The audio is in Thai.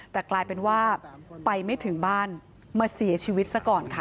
แต่กลายเป็นว่าไปไม่ถึงบ้านมาเสียชีวิตซะก่อนค่ะ